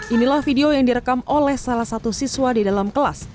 inilah video yang direkam oleh salah satu siswa di dalam kelas